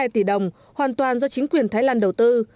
một hai tỷ đồng hoàn toàn do chính quyền thái lan đầu tư